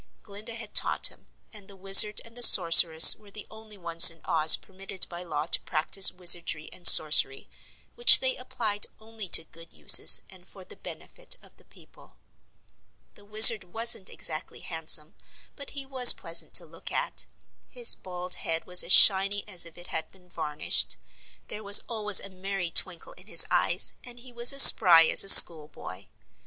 Glinda had taught him, and the Wizard and the Sorceress were the only ones in Oz permitted by law to practice wizardry and sorcery, which they applied only to good uses and for the benefit of the people. The Wizard wasn't exactly handsome but he was pleasant to look at. His bald head was as shiny as if it had been varnished; there was always a merry twinkle in his eyes and he was as spry as a schoolboy.